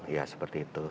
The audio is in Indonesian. ya seperti itu